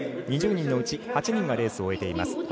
２０人のうち、８人がレースを終えています。